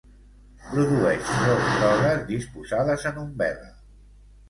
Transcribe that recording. Produeix flors grogues disposades en umbel·la.